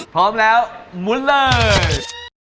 พร้อมแล้วมุนเลย